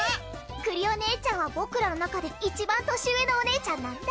クリお姉ちゃんは僕らの中でいちばん年上のお姉ちゃんなんだ。